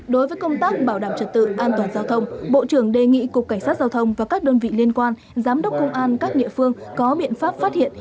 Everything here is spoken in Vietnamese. đối với công tác bảo đảm trật tự an toàn giao thông bộ trưởng đề nghị cục cảnh sát giao thông và các đơn vị liên quan giám đốc công an các địa phương có biện pháp phát hiện